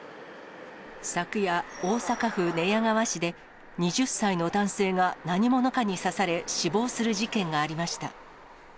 昨夜、大阪府寝屋川市で、２０歳の男性が何者かに刺され、死亡する事件がありました。